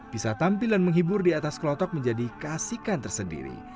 pisah tampilan menghibur di atas kelotok menjadi kasikan tersendiri